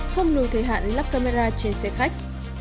không nùi thời hạn lắp camera trên xe khách